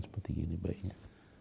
seperti ini bayinya